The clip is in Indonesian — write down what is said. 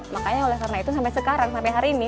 makanya oleh karena itu sampai sekarang sampai hari ini